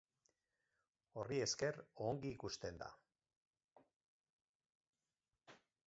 Horri esker, ongi ikusten da.